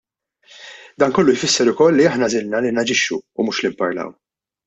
Dan kollu jfisser ukoll li aħna għażilna li naġixxu u mhux li nparlaw.